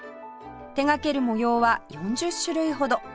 手掛ける模様は４０種類ほど